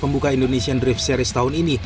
menariknya di indonesia drift series tahun ini